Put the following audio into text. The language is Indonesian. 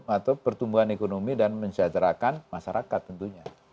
atau pertumbuhan ekonomi dan menjajarakan masyarakat tentunya